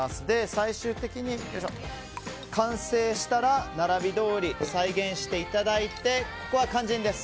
最終的に完成したら並びどおり再現していただいてここが肝心です。